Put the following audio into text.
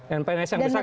dan pns yang besar itu